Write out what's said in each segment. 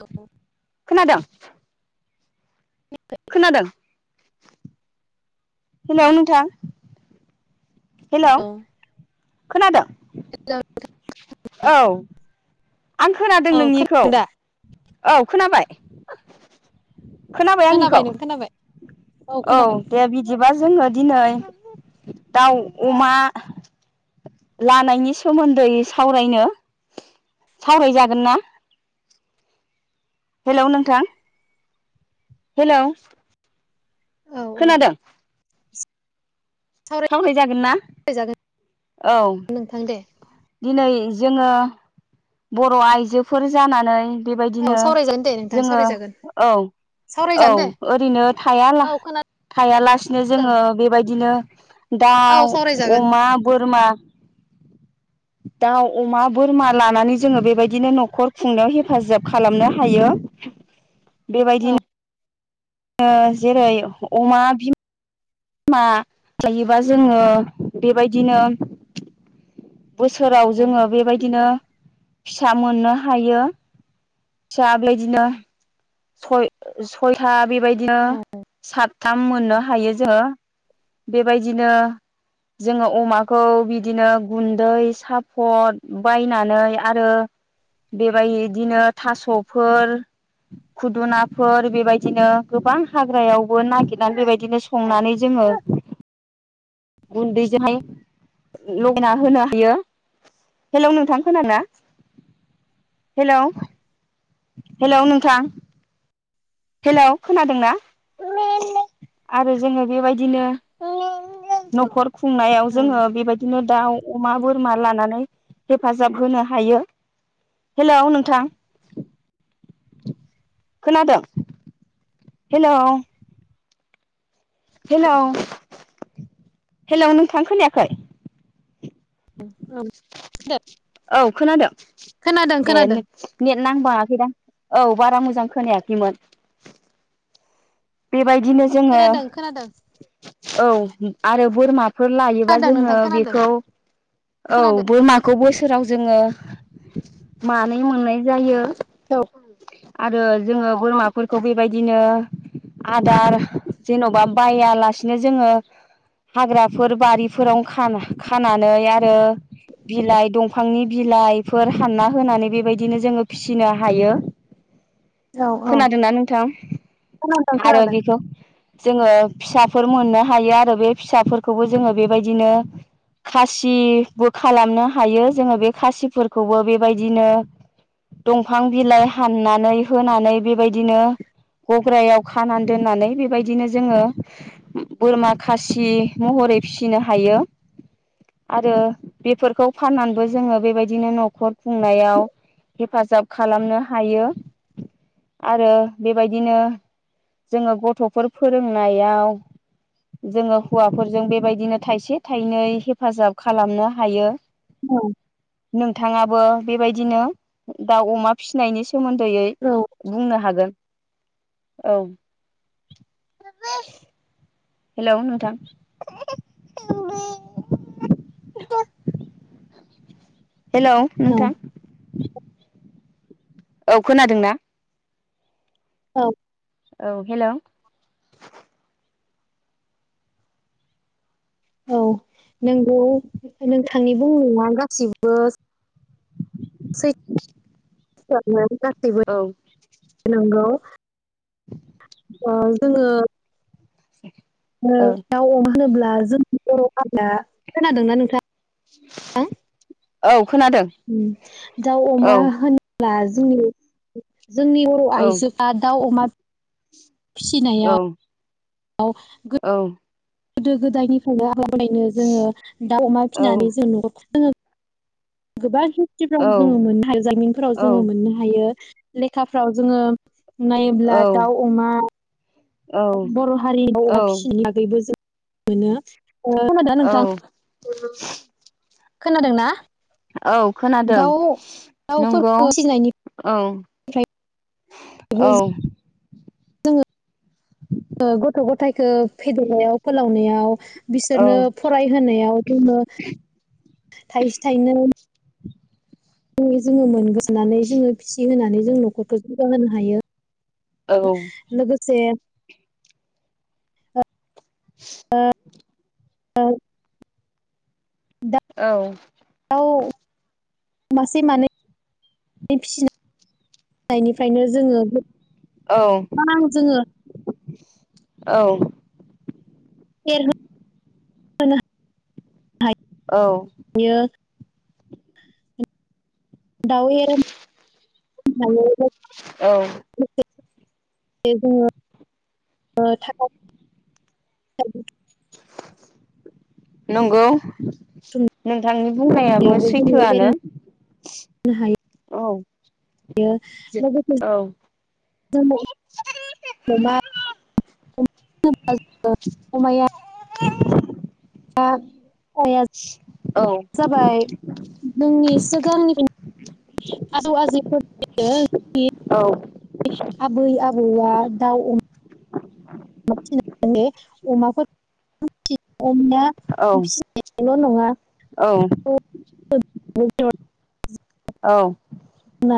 औ खोनादों फैबाय खोनादों हेलौ नोंथां हेलौ औ खोनादो हेलौ औ आं खोनादों औ नोंनिखौ खोनादों दा औ खोनाबाय खोनाबाय आंनिखौ नों खोनाबाय औ दे बिदिबा जोङो दिनै दाउ अमा लानायनि सोमोन्दै सावरायनो सावरायजागोन ना हेलौ नोंथां हेलौ औ औ खोनादो सावराय जागोन ना सावरायजागोन औ नोंथां दे दिनै जोङो बर' आइजोफोर जानानै औ बेबायदिनो सावरायजागोन दे नोंथां जोङो सावरायजागोन औ औ सावरायजागोन दे ओरैनो औ थायाला-थायालासिनो खोनादों जोङो बेबायदिनो औ दाउ, सावरायजागोन अमा, बोरमा दाउ अमा बोरमा लानानै जोङो बेबायदिनो न'खर खुंनायाव हेफाजाब खालामनो हायो। औ बेबायदिनो ओ जेरै अमा बिम मा लायोबा जोङो बेबायदिनो बोसोराव जोङो बेबायदिनो फिसा मोननो हायो फिसा [unintelligible] सय-सयथा बि बायदिनो औ सात थाम मोननो हायो जोङो बेबायदिनो जोङो अमाखौ बिदिनो गुन्दै साफद बायनानै आरो बेबाय इदिनो थास'फोर खुदुनाफोर बेबायदिनो गोबां हाग्रायावबो नागिरनानै बेबायदिनो संनानै जोङो गुन्दैजोंहाय लगायना होनो हायो हेलौ नोंथां खोनाना हेलौ हेलौ नोंथां। हेल' खोनादोंना आरो जोङो बेबायदिनो औ न'खर खुंनायाव औ जोङो बेबायदिनो दाउ अमा बोरमा लानानै हेफाजाब होनो हायो हेलौ नोंथां खोनादों? हेलौ औ हेलौ हेलौ नोंथां खोनायाखै? [unintelligible] औ खोनादों खोनादों ए खोनादों नेट नेट नांबाङाखैदां औ। बारा मोजां खोनायाखैमोन। बेबायदिनो जोङो खोनादों खोनादों औ आरो बोरमा फोर लायोबा खोनादों जोङो नोंथां खोनादों बेखौ औ खोनादों बोरमाखौ बोसोराव जोङो मानै मोननाय जायो। औ [unintelligible] आरो जोङो बोरमाफोरखौ बेबायद दिनो आदार जेन'बा बायालासिनो जोङो हाग्राफोर बारिफोरावनो खानो खानानै आर रो बिलाइ दंफांनि बिलाइफोर हानना होनानै बेबायदिनो जोङो फिसिनो हायो। औ औ खोनादोंना नोंथां खोनादों आरो खोनादों बेखौ जोङो फिसाफोर मोननो हायो बे फिसाफोरखौबो जोङो बेबायदिनो खासि तिबो खालामनो हायो जोङो बे खासिफोरखौबो बेबायदिनो दंफां बिलाइ हाननानै होननानै बेबायदिनो गग्रायाव खानानै दोननानै बेबायदिनो जोङो उम बोरमा बोरहख खासि महरै फिसिनो हायो आरो बेफोरखौ फाननानैबो जोङो बेबायदिनो न'खर खुंनायाव हेफाजाब खालामनोशशशश हायो आरो बेबायदिनो जोङो गथ'फोर फोरोंनायाव जोङो हौवाफोरजों बेबायदिनो थाइसे थाइनै हेफ फाजाब खालामनो हायो। औ। नोंथाङाबो बेबायदिनो दाउ अमा फिनायनि सोमोन्दोयै औ बुंनो हागोन। औ [unintelligible] हेलौ नोंथां [unintelligible] हेलौ औ नोंथां। औ खोनादोंना। औ। औ हेलौ। औ नोंगौ नोंथांनि बुं मुंङा गासिबो। [unintelligible] गासैबो औ [unintelligible] नंगौ। [unintelligible] ओ जोङो। [unintelligible] ओ औ दाउ अमा होनोब्ला। [unintelligible] खोनादोंना नोंथां। [unintelligible] औ खोनादों उम दाउ अमा औ होनो [unintelligible] जोंनि औ अर'आइजोआ दाउ अमा। औ फिसिनाया। आव गो गोदो गोदायनिफ्राय औ [unintelligible] [unintelligible] [unintelligible] [unintelligible] औ मोननो हायो जारिमिनफोराव जोङो मोननो हायो। लेखाफ्राव जोङो। नायब्ला दाउ अमा। औ बर' हारि आरो अमा औ फिसिनायनि बागैबो जों। मोनो। ओ खोनादोंना औ। खोनादोंना। औ खोनादों नंगौ दाउफोरखौ औ। फिसिनायनिफ्रायबो औ। जोङो गथ' गथायखौ फेदेरनायाव फोलावनायाव। औ बिसोरनो फरायहोनायाव जोङो थाइसे थाइनै [unintelligible] जोङो मोनगोन नानै जोङो फिसि होनानै जों न'खरखौ जौगाहोनो हायो औ लोगोसे ओ औ औ [unintelligible] मासे मानै फिसिनानै निफ्रायनो जोङो औ गोबां जोङो औ एरहोनो औ हायो दाव एरहोनो हायो औ जों दे जोङो [unintelligible] नंगौ बुथुमनायावबो नोंथांनि बुंनायाबो जोङो सैथोआनो एरहोनो औ बियो लोगोसे औ जों [unintelligible] अमा अमाया एम [unintelligible] [unintelligible] औ जाबाय जोंनि सिगांनिफ्राय आजै आजौफोरनिनो औ आबै आबौआ दाउ अम [unintelligible] अमाफोर [unintelligible] [unintelligible] नङा औ [unintelligible] औ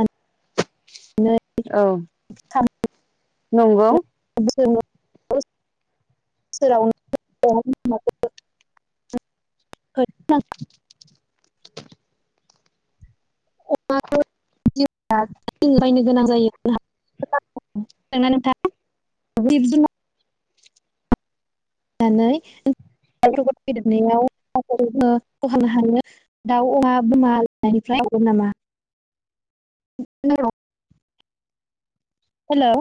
[unintelligible] औ सामु नंगौ [unintelligible] [unintelligible] गोनां जायो खोनाबाय ना नोंथां देरनायाव [unintelligible] दाउ अमा बोरमा लनायनिफ्राय हगोन नामा? [unintelligible] हेलौ।